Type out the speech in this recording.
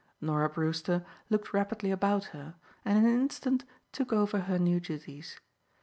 Norah Brewster looked rapidly about her, and in an instant took over her new duties.